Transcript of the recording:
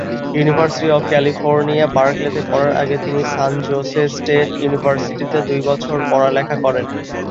University of California, বার্কলেতে পড়ার আগে তিনি সান জোসে স্টেট ইউনিভার্সিটিতে দুই বছর পড়ালেখা করেন।